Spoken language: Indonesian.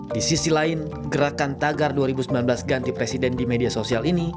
di sisi lain gerakan tagar dua ribu sembilan belas ganti presiden di media sosial ini